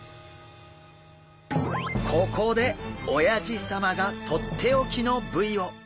ここでおやじ様がとっておきの部位を！